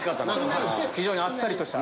非常にあっさりとした。